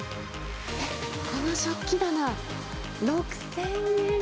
えっ、この食器棚、６０００円。